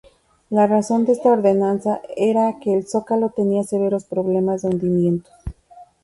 La razón de esta ordenanza era que el Zócalo tenía severos problemas de hundimientos.